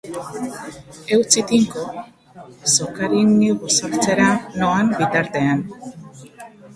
Eutsi tinko sokari ni gosaltzera noan bitartean.